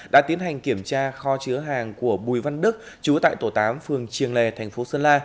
đã tiến hành kiểm tra kho chứa hàng của bùi văn đức chú tại tổ tám phường triềng lề tp sơn la